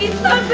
ini apaan gitu